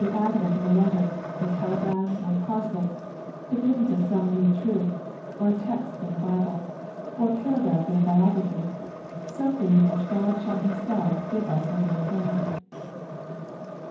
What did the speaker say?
advent of a letter, or tel^^ram, or parcel, the glint of some new truth, or a text from the Bible, or a paragraph in a biography — something in which God shall Himself give us our daily bread.